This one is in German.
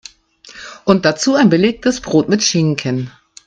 Und dazu ein belegtes Brot mit Schinken.